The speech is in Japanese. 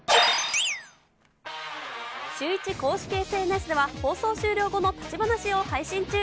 シューイチ公式ＳＮＳでは、放送終了後の立ち話を配信中。